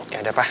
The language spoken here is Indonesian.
ya udah pa